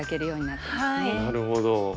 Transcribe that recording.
なるほど。